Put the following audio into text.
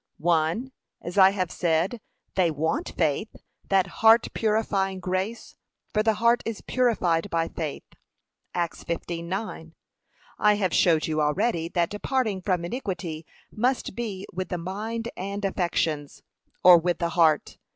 1. As I have said, they want FAITH, that heart purifying grace, for the heart is purified by faith. (Acts 15:9) I have showed you already that departing from iniquity must be with the mind and affections, or with the heart.